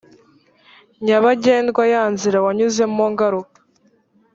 Nyabagendwa ya nzira wanyuzemo garuka